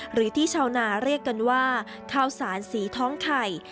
หรือที่ชาวนาเรียกกันว่าข้าวสารสีท้องไข่